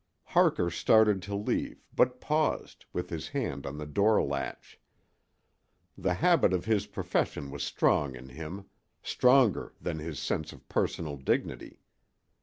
Harker started to leave, but paused, with his hand on the door latch. The habit of his profession was strong in him—stronger than his sense of personal dignity.